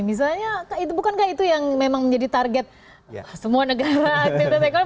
misalnya bukan itu yang memang menjadi target semua negara